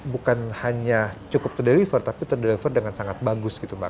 bukan hanya cukup terdeliver tapi terdeliver dengan sangat bagus gitu mbak